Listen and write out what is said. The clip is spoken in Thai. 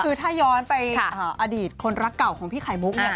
คือถ้าย้อนไปอดีตคนรักเก่าของพี่ไข่มุกเนี่ย